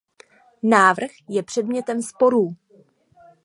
Návrh je předmětem sporů.